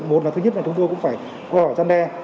một là thứ nhất là chúng tôi cũng phải